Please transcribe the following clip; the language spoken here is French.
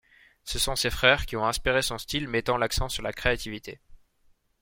Ce sont ses frères qui ont inspiré son style mettant l'accent sur la créativité.